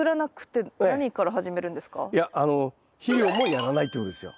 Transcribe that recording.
いや肥料もやらないってことですよ。